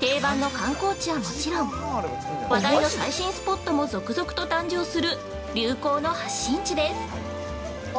定番の観光地はもちろん話題の最新スポットも続々と誕生する流行の発信地です。